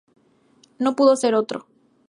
No pudo ser otro.